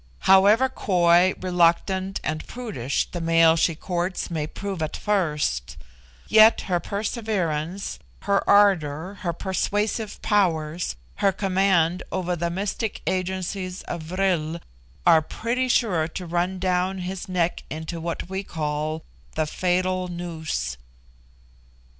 However coy, reluctant, and prudish, the male she courts may prove at first, yet her perseverance, her ardour, her persuasive powers, her command over the mystic agencies of vril, are pretty sure to run down his neck into what we call "the fatal noose."